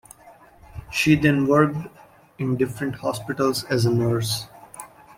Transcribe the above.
She then worked in different hospitals as a nurse.